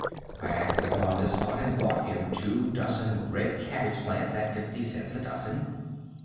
I acted upon this thought and bought him two dozen red cabbage plants, at fifty cents a dozen.